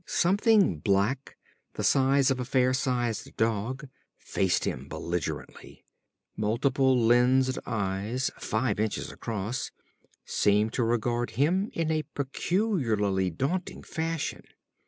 Something black, the size of a fair sized dog, faced him belligerently. Multiple lensed eyes, five inches across, seemed to regard him in a peculiarly daunting fashion.